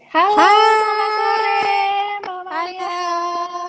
halo mbak mariam